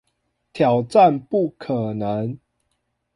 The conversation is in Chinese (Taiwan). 挑戰不可能